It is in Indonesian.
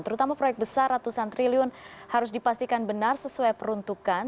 terutama proyek besar ratusan triliun harus dipastikan benar sesuai peruntukan